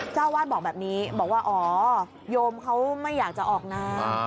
เจ้าวาดบอกแบบนี้บอกว่าอ๋อโยมเขาไม่อยากจะออกน้ำ